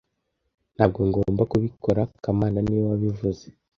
Ntabwo ngomba kubikora kamana niwe wabivuze